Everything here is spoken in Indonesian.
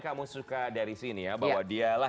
kamu suka dari sini ya bahwa dialah